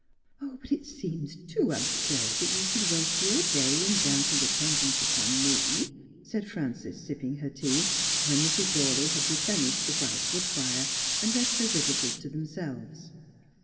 '' But it seems too absurd that you should waste your day in dancing attendance upon me,' said Frances, sipping her tea, when Mrs. Dawley had replenished the bright wood fire, and left her visitors to themselves.